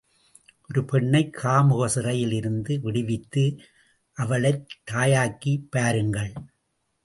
ஒரு பெண்ணை காமுக சிறையில் இருந்து விடுவித்து, அவளைத் தாயாக்கிப் பாருங்கள்.